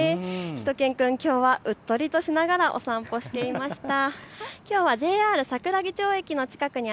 しゅと犬くん君、きょうはうっとりとしながらお散歩していました。